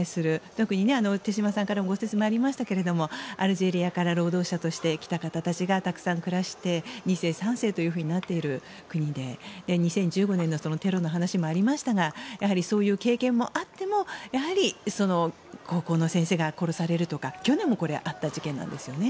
特に手嶋さんからもご説明がありましたけれどもアルジェリアから労働者として来た方がたくさん暮らして２世、３世となっている国で２０１５年のテロの話もありましたがそういう経験があっても高校の先生が殺されるとか去年もあった事件なんですよね。